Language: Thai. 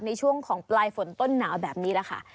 ในช่วงของปลายฝนต้นหนาวแบบนี้แหละค่ะ